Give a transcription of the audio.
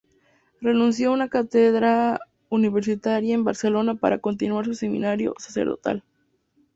Renunció a una cátedra universitaria en Barcelona para continuar su ministerio sacerdotal.